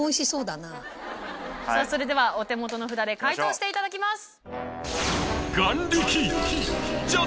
それではお手元の札で解答していただきます。